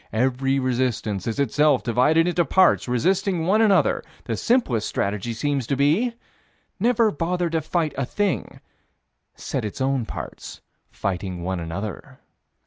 Every resistance is itself divided into parts resisting one another. The simplest strategy seems to be never bother to fight a thing: set its own parts fighting one another.